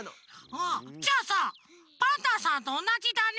ああじゃあさパンタンさんとおなじだね。